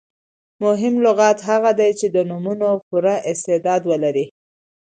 مهم لغت هغه دئ، چي د نومونو پوره استعداد ولري.